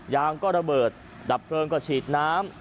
ยางก็ระเบิดดับเพลิงก็ฉีดน้ำ